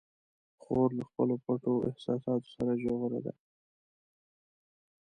خور له خپلو پټو احساساتو سره ژوره ده.